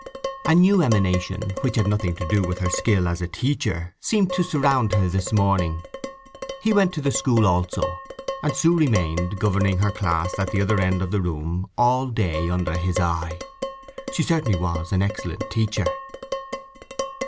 A new emanation, which had nothing to do with her skill as a teacher, seemed to surround her this morning. He went to the school also, and Sue remained governing her class at the other end of the room, all day under his eye. She certainly was an excellent teacher.